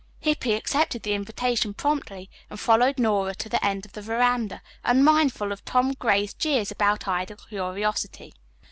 Hippy accepted the invitation promptly, and followed Nora to the end of the veranda, unmindful of Tom Gray's jeers about idle curiosity.